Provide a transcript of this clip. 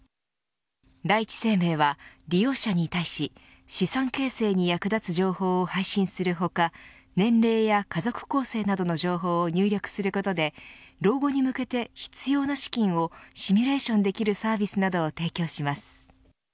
第一生命は利用者に対し資産形成に役立つ情報を配信する他年齢や家族構成などの情報を入力することで老後に向けて必要な資金をシミュレーションできるサービスなどを提供します。